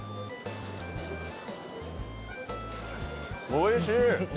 ・おいしい。